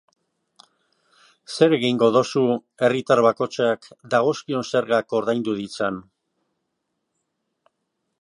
Zer egingo duzu herritar bakoitzak dagozkion zergak ordaindu ditzan?